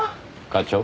課長。